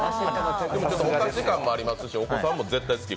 でもちょっとお菓子感もありますし、お子さんも絶対好き。